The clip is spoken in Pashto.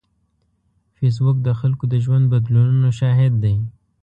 فېسبوک د خلکو د ژوند بدلونونو شاهد دی